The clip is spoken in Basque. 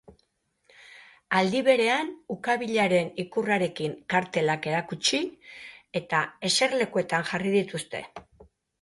Aldi berean ukabilaren ikurrarekin kartelak erakutsi eta eserlekuetan jarri dituzte.